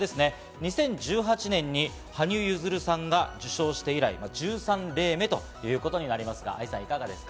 ２０１８年に羽生結弦さんが受賞して以来１３例目ということになりますが、愛さん、いかがですか？